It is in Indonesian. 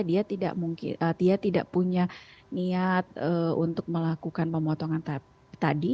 dia tidak punya niat untuk melakukan pemotongan tadi